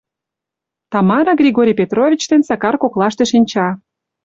Тамара Григорий Петрович ден Сакар коклаште шинча...